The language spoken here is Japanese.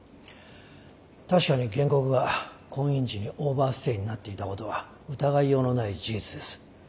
確かに原告は婚姻時にオーバーステイになっていたことは疑いようのない事実です。